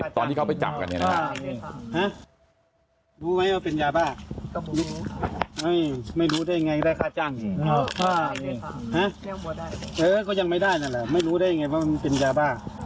ตอนที่เขาไปจับกันเนี่ยนะครับ